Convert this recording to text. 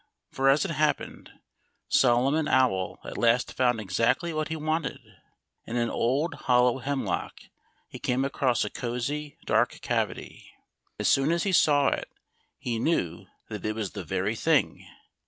For as it happened, Solomon Owl at last found exactly what he wanted. In an old, hollow hemlock, he came across a cozy, dark cavity. As soon as he saw it he knew that it was the very thing!